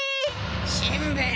しんべヱ！